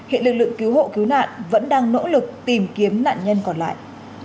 hiện lực lượng cứu hộ cứu nạn vẫn đang nỗ lực tìm kiếm nạn nhân còn lại